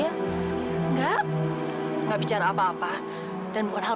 anak saya sekarang sedang mengandung